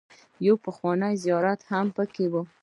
يو پخوانی زيارت هم پکې و.